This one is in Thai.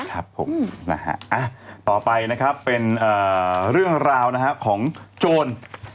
ครับผมนะฮะต่อไปนะครับเป็นเรื่องราวนะฮะของโจร